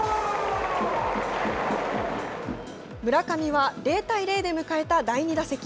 村上は０対０で迎えた第２打席。